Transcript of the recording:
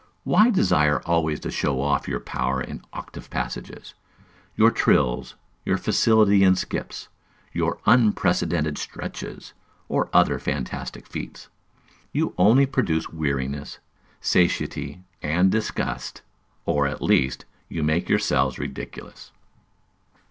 Why desire always to show off your power in octave passages, your trills, your facility in skips, your unprecedented stretches, or other fantastic feats? You only produce weariness, satiety, and disgust, or, at least, you make yourselves ridiculous.